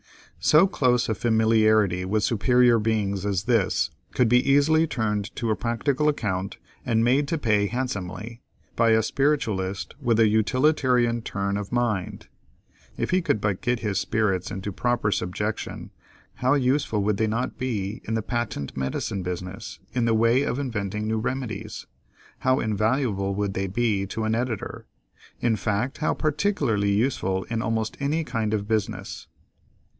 So close a familiarity with superior beings as this, could be easily turned to practical account and made to pay handsomely, by a Spiritualist with a utilitarian turn of mind. If he could but get his spirits into proper subjection how useful would they not be in the patent medicine business, in the way of inventing new remedies; how invaluable would they be to an editor; in fact, how particularly useful in almost any kind of business.